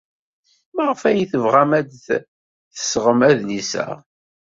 Maɣef ay tebɣam ad d-tesɣem adlis-a?